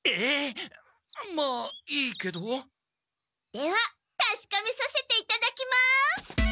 ではたしかめさせていただきます！